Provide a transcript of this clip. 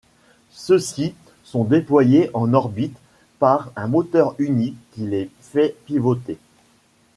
Ceux-ci sont déployés en orbite par un moteur unique qui les fait pivoter.